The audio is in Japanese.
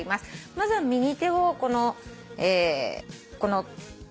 まずは右手をここの。